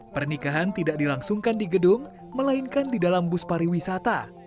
pernikahan tidak dilangsungkan di gedung melainkan di dalam bus pariwisata